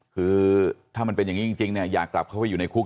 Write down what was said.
คือถ้ามันเป็นอย่างนี้จริงเนี่ยอยากกลับเข้าไปอยู่ในคุก